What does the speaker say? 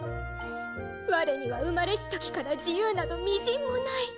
我には生まれしときから自由など微塵もない。